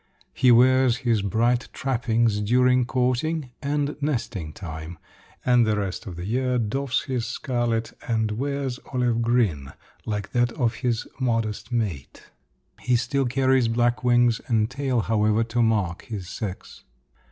He wears his bright trappings during courting and nesting time, and the rest of the year doffs his scarlet and wears olive green like that of his modest mate. He still carries black wings and tail, however, to mark his sex.